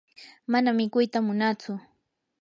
mana mikuyta munatsu.